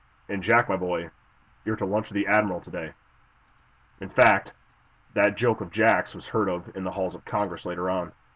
And, Jack, my boy, you're to lunch with the admiral to day!" In fact, that joke of Jack's was heard of in the halls of Congress later on.